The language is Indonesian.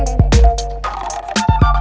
kau mau kemana